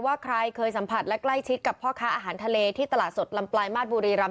ว่าใครเคยสัมผัสและใกล้ชิดกับพ่อค้าอาหารทะเลที่ตลาดสดลำปลายมาสบุรีรำ